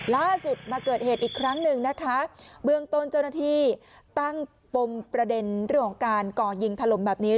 ล่าสุดมาเกิดเหตุอีกครั้งหนึ่งนะคะเบื้องต้นเจ้าหน้าที่ตั้งปมประเด็นเรื่องของการก่อยิงถล่มแบบนี้